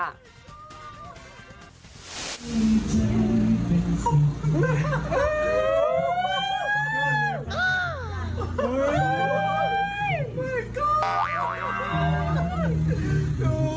สวัสดีค่ะน้ำตาไหลเลยไหมคะพี่เอ๋